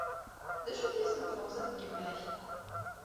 D acu-t yisem n tlemẓit n yemma-k?